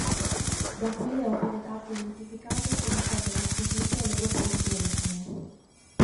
Da qui le opere d'arte identificate sono state restituite ai loro paesi d'origine.